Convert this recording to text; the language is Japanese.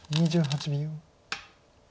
２８秒。